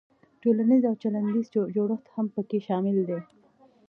تولنیز او چلندیز جوړښت هم پکې شامل دی.